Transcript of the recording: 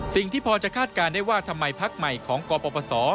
สิ่งที่พอจะคาดการณ์ได้ว่าทำไมพักใหม่ของกปศ